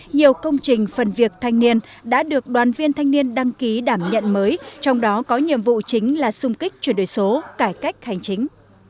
nhiều công trình phần việc thanh niên đã được đoàn viên thanh niên đăng ký đảm nhận mới trong đó có nhiệm vụ chính là xung kích chuyển đổi số cải cách hành chính